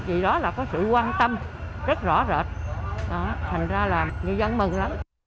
vì đó là có sự quan tâm rất rõ rệt thành ra là nhân dân mừng lắm